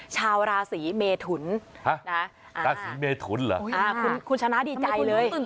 ชาวราศีเมทุนฮะราศีเมทุนเหรออุ๊ยอ่าคุณคุณชนะดีใจเลย